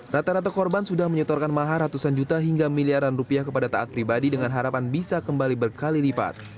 rata rata korban sudah menyetorkan mahar ratusan juta hingga miliaran rupiah kepada taat pribadi dengan harapan bisa kembali berkali lipat